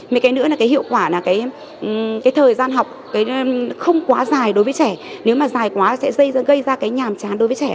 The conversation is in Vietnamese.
một cái nữa là cái hiệu quả là cái thời gian học không quá dài đối với trẻ nếu mà dài quá sẽ gây ra cái nhàm chán đối với trẻ